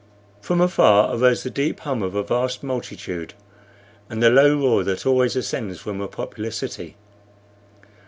From afar arose the deep hum of a vast multitude and the low roar that always ascends from a popular city.